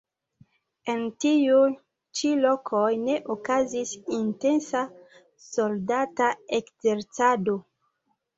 En tiuj ĉi lokoj ne okazis intensa soldata ekzercado.